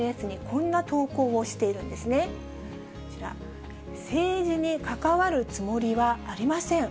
こちら、政治に関わるつもりはありません。